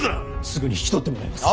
すぐに引き取ってもらいます。